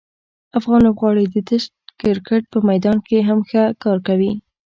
افغان لوبغاړي د ټسټ کرکټ په میدان کې هم ښه کار کوي.